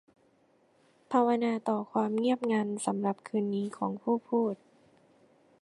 ภาวนาต่อความเงียบงันสำหรับคืนนี้ของผู้พูด